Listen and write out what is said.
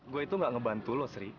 gua itu gak ngebantu lu sri